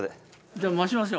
じゃ回しますよ。